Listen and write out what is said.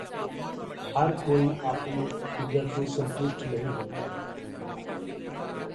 ਹਰ ਕੋਈ ਆਪਣੀ ਫਿੱਗਰ ਤੋਂ ਸੰਤੁਸ਼ਟ ਨਹੀਂ ਹੁੰਦਾ